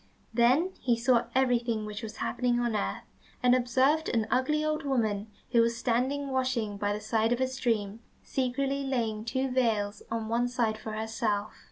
Then he saw everything which was happening on earth, and observed an ugly old woman who was standing washing by the side of a stream, secretly laying two veils on one side for herself.